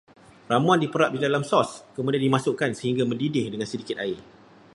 Ramuan diperap di dalam sos, kemudian dimasukkan sehingga mendidih dengan sedikit air